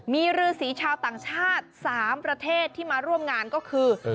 มีรือสีชาวต่างชาติ๓ประเทศที่มาร่วมงานก็คือ